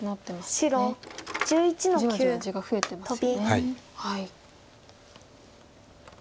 じわじわ地が増えてますよね。